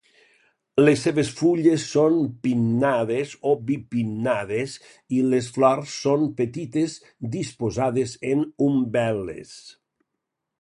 Les seves fulles són pinnades o bipinnades i les flors són petites disposades en umbel·les.